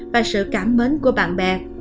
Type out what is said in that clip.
và sự cảm mến của bạn bè